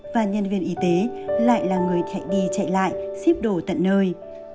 và nhân viên y tế lại là người chạy đi chạy lại xếp đồ tận nơi